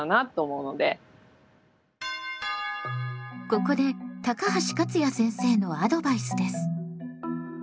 ここで高橋勝也先生のアドバイスです。